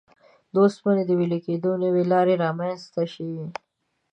د اوسپنې د وېلې کېدو نوې لارې رامنځته شوې.